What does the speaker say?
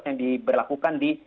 yang diberlakukan di